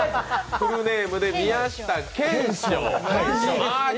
フルネームで、宮下兼史鷹。